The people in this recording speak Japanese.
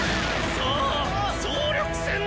さあっ総力戦だッ！